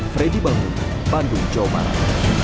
freddy bangun bandung jawa barat